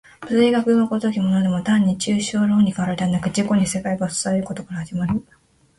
物理学の如きものでも単に抽象論理からではなく、自己に世界が映されることから始まる。